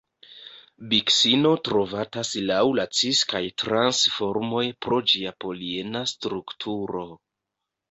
Biksino trovatas laŭ la cis kaj trans formoj pro ĝia poliena strukturo.